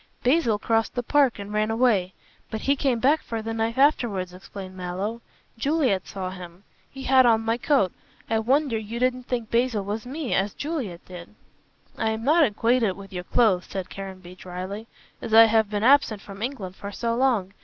"Basil crossed the park and ran away. But he came back for the knife afterwards," explained Mallow. "Juliet saw him. He had on my coat. I wonder you didn't think Basil was me, as Juliet did." "I am not acquainted with your clothes," said Caranby, dryly, "as I have been absent from England for so long.